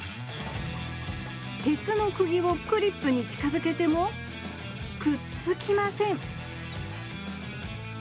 鉄のくぎをクリップに近づけてもくっつきません